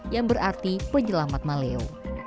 yang berarti penyelamat maleo